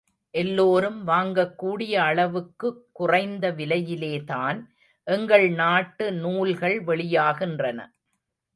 எல்லோரும் வாங்கக்கூடிய அளவுக்கு குறைந்த விலையிலேதான் எங்கள் நாட்டு நூல்கள் வெளியாகின்றன.